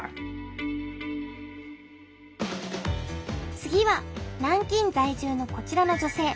次は南京在住のこちらの女性。